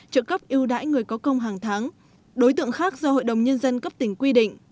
trợ cấp ưu đãi người có công hàng tháng đối tượng khác do hội đồng nhân dân cấp tỉnh quy định